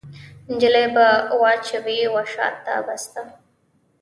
نجلۍ به واچوي وشا ته بسته